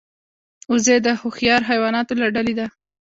وزې د هوښیار حیواناتو له ډلې ده